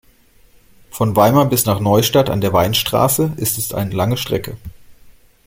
Von Weimar bis nach Neustadt an der Weinstraße ist es eine lange Strecke